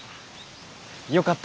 よかった。